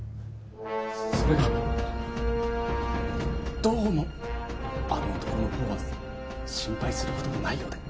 それがどうもあの男のほうは心配する事もないようで。